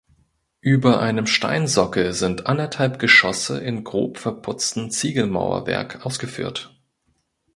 Über einem Steinsockel sind anderthalb Geschosse in grob verputzten Ziegelmauerwerk ausgeführt.